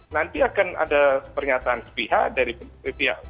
nanti akan ada pernyataan sepihak